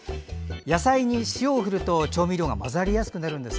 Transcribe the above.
野菜に塩を振ると調味料が混ざりやすくなるんです。